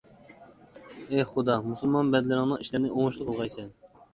ئېھ خۇدا، مۇسۇلمان بەندىلىرىڭنىڭ ئىشلىرىنى ئوڭۇشلۇق قىلغايسەن!